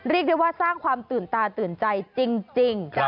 เรียกได้ว่าสร้างความตื่นตาตื่นใจจริง